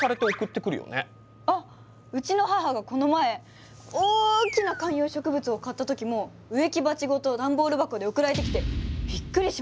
あっうちの母がこの前大きな観葉植物を買った時も植木鉢ごとダンボール箱で送られてきてびっくりしました。